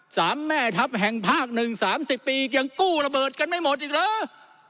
สามแม่ทัพแห่งภาคหนึ่งสามสิบปียังกู้ระเบิดกันไม่หมดอีกเหรอ